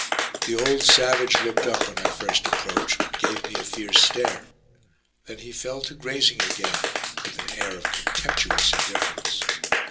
The old savage looked up when I first approached, and gave me a fierce stare; then he fell to grazing again with an air of contemptuous indifference.